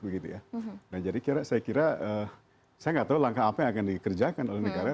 jadi saya kira saya tidak tahu langkah apa yang akan dikerjakan oleh negara